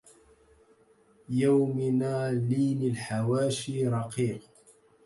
يومنا لين الحواشي رقيق